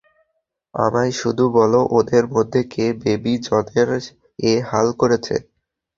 আমায় শুধু বলো, ওদের মধ্যে কে বেবি জনের এ হাল করেছে?